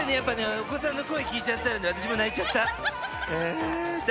お子さんの声聞いたら私も泣いちゃった。